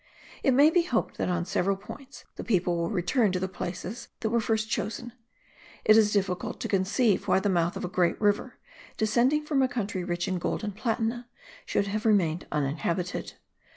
It may be hoped that on several points the people will return to the places that were first chosen. It is difficult to conceive why the mouth of a great river, descending from a country rich in gold and platina, should have remained uninhabited.